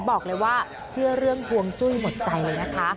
บอกเลยว่าเชื่อเรื่องห่วงจุ้ยหมดใจนะคะ